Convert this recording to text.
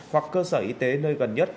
hoặc cơ sở y tế nơi gần nhất